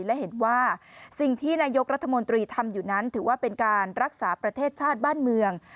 และเห็นว่าสิ่งที่นายกรัฐมนตรีทำอยู่นั้นถือว่าเป็นการรักษาประเทศชาติบ้านเมือง